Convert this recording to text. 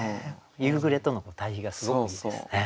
夕暮れとの対比がすごくいいですね。